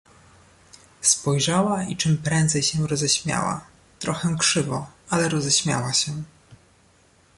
Spojrzała i czym prędzej się roześmiała, trochę krzywo, ale roześmiała się.